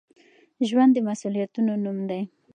ژوند د مسؤليتونو نوم دی.